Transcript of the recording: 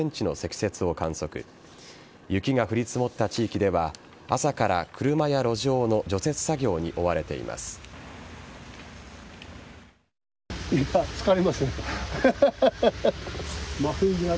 雪が降り積もった地域では朝から車や路上の除雪作業に追われています。